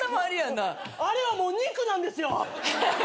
あれはもう肉なんですよ。